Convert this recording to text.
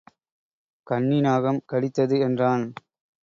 கன்னி நாகம் கடித்தது என்றான்.